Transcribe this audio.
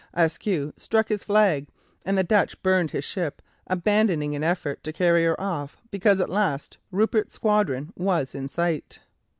Ascue struck his flag, and the Dutch burned his ship, abandoning an effort to carry her off because at last Rupert's squadron was in sight.